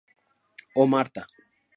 Oh Martha!